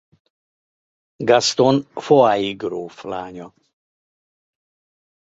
Gaston foix-i gróf lánya.